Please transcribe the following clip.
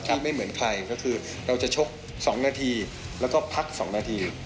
ไม่เหมือนใครก็คือเราจะชก๒นาทีแล้วก็พัก๒นาที